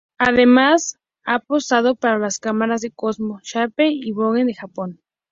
Además ha posado para las cámaras de Cosmo, Shape y Vogue de Japón.